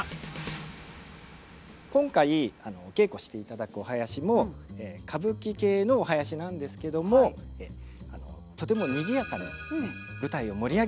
今回お稽古していただくお囃子も歌舞伎系のお囃子なんですけどもとても賑やかに舞台を盛り上げるっていうことがすごく大事なので。